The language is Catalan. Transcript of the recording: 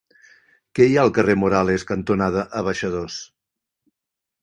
Què hi ha al carrer Morales cantonada Abaixadors?